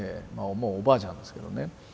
もうおばあちゃんですけどね。